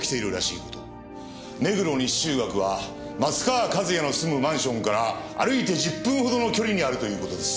目黒西中学は松川一弥の住むマンションから歩いて１０分ほどの距離にあるという事です。